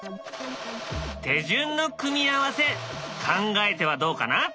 手順の組み合わせ考えてはどうかな？